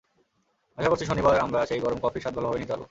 আশা করছি, শনিবার আমরা সেই গরম কফির স্বাদ ভালোভাবেই নিতে পারব।